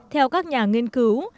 theo các nhà nghiên cứu